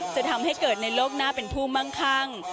จะทำให้เกิดในโลกหน้าเป็นผู้มั่งคั่ง